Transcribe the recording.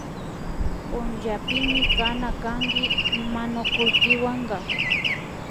Punllapimi kana kanki manukulkiwanka